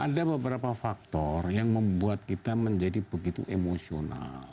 ada beberapa faktor yang membuat kita menjadi begitu emosional